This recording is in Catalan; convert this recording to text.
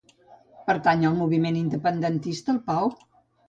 Pertany al moviment independentista el Pau?